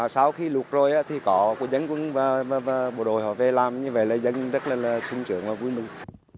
sau khi lục rồi thì có dân quân và bộ đội họ về làm như vậy là dân rất là trung trưởng và vui mừng